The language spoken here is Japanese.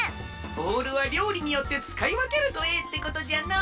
ボウルはりょうりによってつかいわけるとええってことじゃの！